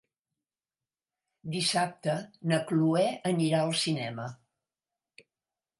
Dissabte na Cloè anirà al cinema.